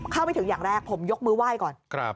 เข้าไปถึงอย่างแรกผมยกมือไหว้ก่อน